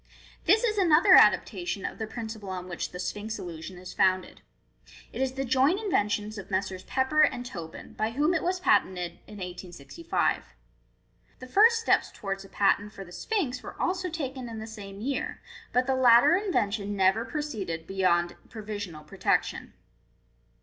— This is another adaptation of the principle on which the Sphinx illusion is founded. It is the joint invention of Messrs. Pepper and Tobin, by whom it was patented in 1865. The first steps towards a patent for the Sphinx were also taken in the same year, but the latter in vention never proceeded be yor provisional protection.